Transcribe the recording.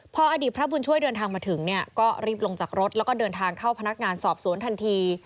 พออดีตพระบุญช่วยเดินทางมาถึงเนี่ยก็รีบลงจากรถแล้วก็เดินทางเข้าพนักงานสอบสวนทันที